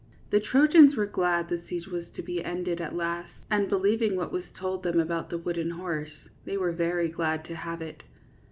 The Trojans were glad the seige was to be ended at last, and, believing what was told 12 THE WOODEN HORSE. them about the wooden horse, they were very glad to have it.